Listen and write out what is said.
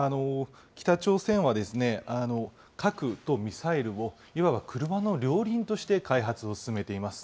北朝鮮は、核とミサイルをいわば車の両輪として開発を進めています。